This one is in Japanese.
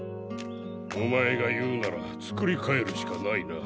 おまえがいうならつくりかえるしかないな。